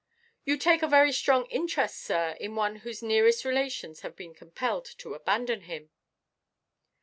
"You take a very strong interest, sir, in one whose nearest relations have been compelled to abandon him."